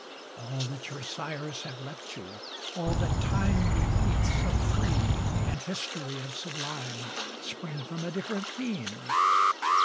All that your sires have left you, all that Time Bequeaths of free, and History of sublime, Spring from a different theme!